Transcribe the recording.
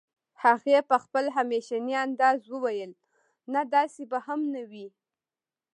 هغې په خپل همېشني انداز وويل نه داسې به هم نه وي